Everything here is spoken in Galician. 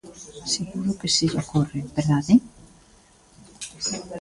Seguro que se lle ocorre, ¿verdade?